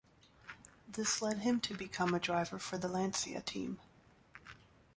This led him to become a driver for the Lancia team.